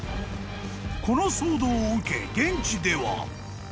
［この騒動を受け現地では］